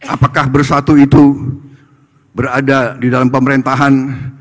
apakah bersatu itu berada di dalam pemerintahan